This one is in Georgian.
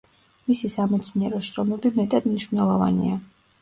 მისი სამეცნიერო შრომები მეტად მნიშვნელოვანია.